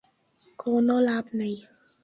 কোনও লাভ নেই।